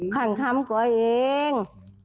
ข้างทำก็เอง